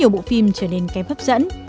bộ phim trở nên kém hấp dẫn